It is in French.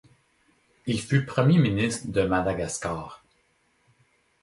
Il fut Premier ministre de Madagascar.